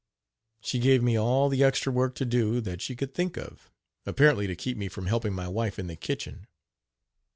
She gave me all the extra work to do that she could think of, apparently to keep me from helping my wife in the kitchen.